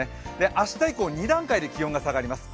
明日以降２段階で気温が下がります。